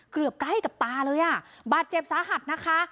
เกือบใกล้กับปลาเลยบาดเจ็บสาหัสนะคะ